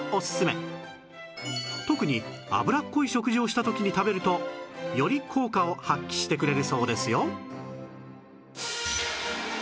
特に脂っこい食事をした時に食べるとより効果を発揮してくれるそうですよ